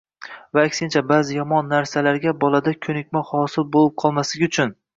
va aksincha ba’zi yomon narsalarga bolada ko‘nikma hosil bo‘lib qolmasligi uchun